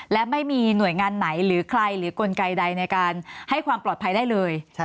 และไม่มีหน่วยงานไหนหรือใครหรือกลไกใดในการให้ความปลอดภัยได้เลย